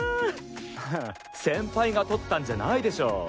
フッ先輩が取ったんじゃないでしょう。